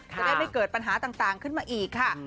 จะได้ไม่เกิดปัญหาต่างขึ้นมาอีกค่ะ